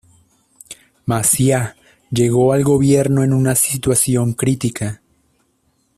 Maciá llegó al gobierno en una situación crítica.